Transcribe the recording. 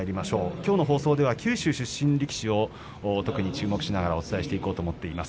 きょうの放送では九州出身力士を特に注目しながらお伝えしていこうと思っています。